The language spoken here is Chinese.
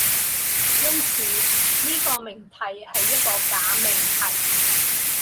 因此，这个命题是一个假命题。